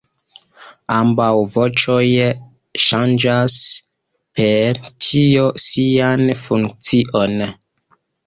Ambaŭ voĉoj ŝanĝas per tio sian funkcion.